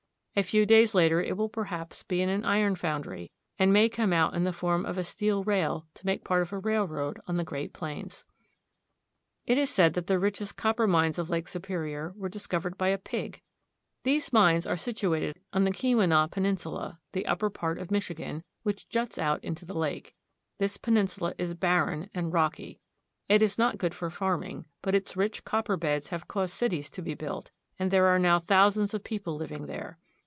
A few days later it will perhaps be in an iron foundry, and may come out in the form of a steel rail to make part of a railroad on the great plains. It is said that the richest copper mines of Lake Superior were discovered by a pig. These mines are situated on the Keweenaw Peninsula, the upper part of Mich igan, which juts out into the lake. This penin sula is barren and rocky. It is not good for farm ing, but its rich copper beds have caused cities to be built, and there are now thousands of people living there.